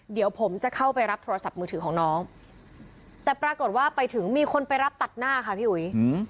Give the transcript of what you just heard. เดี๋ยวผมจะเข้าไปรับโทรศัพท์มือถือของน้องแต่ปรากฏว่าไปถึงมีคนไปรับตัดหน้าค่ะพี่อุ๋ย